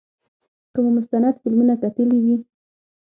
که مو مستند فلمونه کتلي وي.